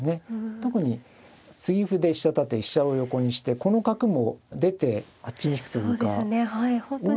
特に継ぎ歩で飛車縦飛車を横にしてこの角も出てあっちに引くというか。